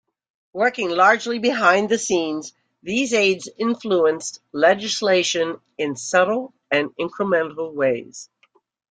Working largely behind the scenes, these aides influenced legislation in subtle and incremental ways.